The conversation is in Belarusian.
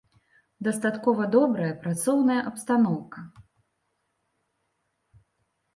Дастаткова добрая працоўная абстаноўка.